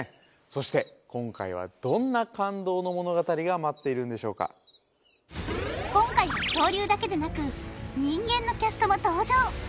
そして今回はどんな感動の物語が待っているんでしょうか今回恐竜だけでなく人間のキャストも登場